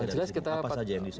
apa saja yang bisa kita bahas